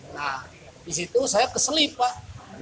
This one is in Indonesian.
nah disitu saya keselip pak